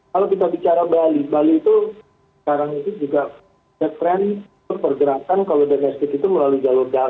kalau kita bicara bali bali itu sekarang itu juga trend pergerakan kalau domestik itu melalui jalan jarak